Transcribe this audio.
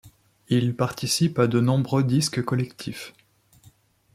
Il participe à de nombreux disques collectifs.